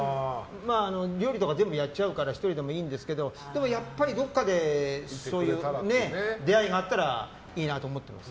料理とか全部やっちゃうから１人でもいいんですけどでもやっぱりどこかでそういう出会いがあったらいいなと思ってます。